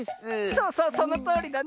そうそうそのとおりだね。